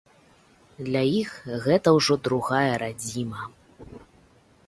Для іх гэта ўжо другая радзіма.